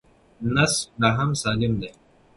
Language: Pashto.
نسج لا هم سالم دی.